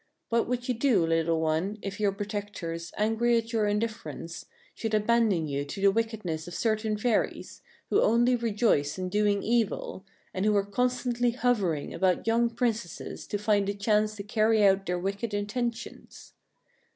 What would you do, little one, if your protectors, angry at your indifference, should abandon you to the wickedness of certain fairies, who only rejoice in doing evil, and who are constantly hovering about young Princesses to find a chance to carry out their wicked intentions?"